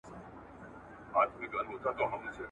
ویل یې شپې به دي د مصر له زندانه نه ځي ,